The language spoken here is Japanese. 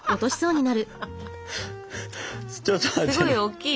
すごいおっきい。